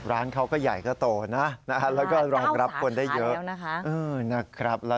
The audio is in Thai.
ร้านเขาก็ใหญ่ก็โตนะแล้วก็รองรับคนได้เยอะนะคะ